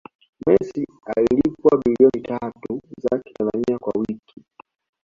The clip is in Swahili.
messi analipwa bilioni tatu za kitanzania kwa wiki